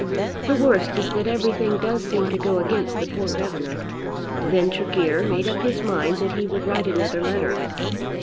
"The worst is that everything does seem to go against the poor governor." Then Tregear made up his mind that he would write another letter.